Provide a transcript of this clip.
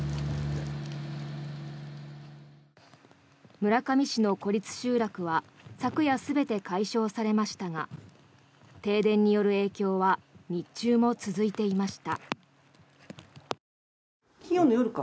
村上市の孤立集落は昨夜全て解消されましたが停電による影響は日中も続いていました。